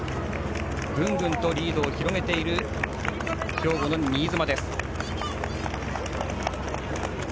グングンとリードを広げている兵庫の新妻。